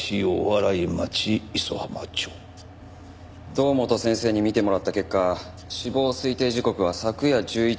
堂本先生に見てもらった結果死亡推定時刻は昨夜１１日の午後１１時。